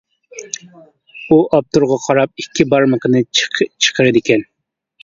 ئۇ ئاپتورغا قاراپ ئىككى بارمىقىنى چىقىرىدىكەن.